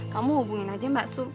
kamu hubungin aja mbak